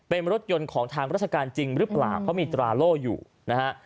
เป็นรถยนต์ของทางราชการจริงหรือเปล่าเพราะมีตราโล่อยู่นะฮะ